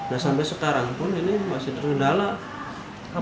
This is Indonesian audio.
nah sampai sekarang pun ini masih terkendala